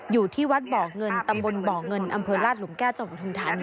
อยู่ที่วัดเบาะเงินตำบลเบาะเงินอำเภอราชหลุมแก้จังหวังธุมธรรม